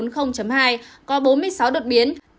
nhưng không có đột biến của b một sáu trăm bốn mươi hai